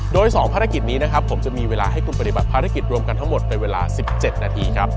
โดย๒ภารกิจนี้นะครับผมจะมีเวลาให้คุณปฏิบัติภารกิจรวมกันทั้งหมดเป็นเวลา๑๗นาทีครับ